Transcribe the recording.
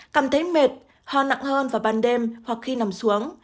cảm thấy mệt ho nặng hơn vào ban đêm hoặc khi nằm xuống